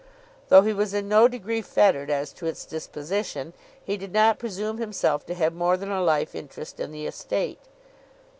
Though he was in no degree fettered as to its disposition, he did not presume himself to have more than a life interest in the estate.